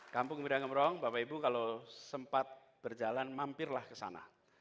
kampung gumbira gembrong bapak ibu kalau sempat berjalan mampirlah kesana